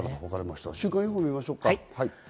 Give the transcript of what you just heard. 週間予報を見ましょう。